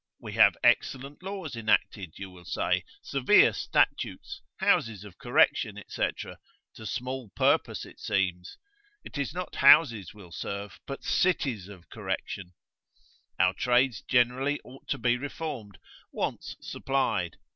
We have excellent laws enacted, you will say, severe statutes, houses of correction, &c., to small purpose it seems; it is not houses will serve, but cities of correction; our trades generally ought to be reformed, wants supplied.